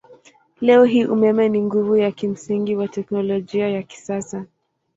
Leo hii umeme ni nguvu ya kimsingi wa teknolojia ya kisasa.